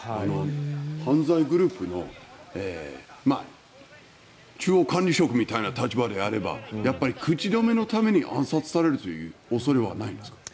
犯罪グループの中央管理職みたいな立場であれば口止めのために暗殺される恐れはないんですか？